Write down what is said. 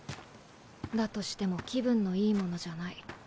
だとしても気分のいいものじゃない。